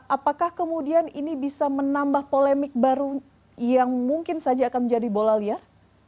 apakah kemudian ini bisa menambah polemik baru yang mungkin saja akan menjadi bola liar